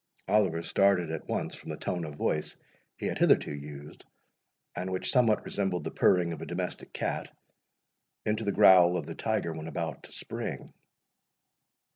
Oliver started at once from the tone of voice he had hitherto used, and which somewhat resembled the purring of a domestic cat, into the growl of the tiger when about to spring.